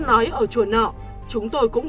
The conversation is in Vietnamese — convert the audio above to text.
nói ở chùa nọ chúng tôi cũng